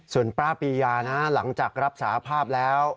ส่วนป้าปียานะหลังจากรับสาภาพแล้ว